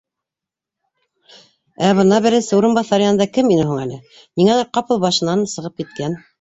Ә бына беренсе урынбаҫар янында кем ине һуң әле? Ниңәлер ҡапыл башынан сығып киткән